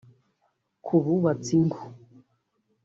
Ku bubatse ingo